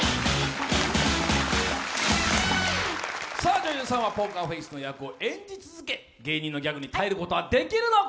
女優さんはポーカーフェースの役を演じ続け芸人のギャグに耐えることはできるのか。